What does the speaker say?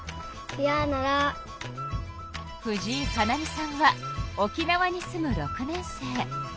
藤井可菜美さんは沖縄に住む６年生。